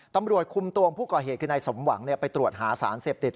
ตำรวจคุมตรงผู้ก่อเหตุในสมหวังไปตรวจศาสตร์เสพติด